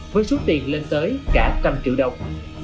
với số tiền lên tới cả một trăm linh triệu đồng